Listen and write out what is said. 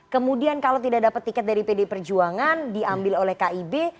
kemudian kalau tidak dapat tiket dari pdi perjuangan diambil oleh kib